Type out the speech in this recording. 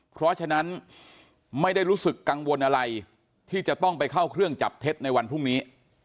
เพราะฉะนั้นไม่ได้รู้สึกกังวลอะไรที่จะต้องไปเข้าเครื่องจับเท็จในวันพรุ่งนี้